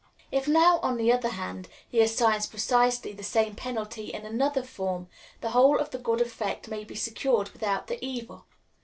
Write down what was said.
If now, on the other hand, he assigns precisely the same penalty in another form, the whole of the good effect may be secured without the evil.